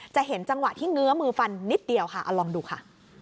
จะเห็นจังหวะที่เงื้อมือฟันนิดเดียวค่ะเอาลองดูค่ะ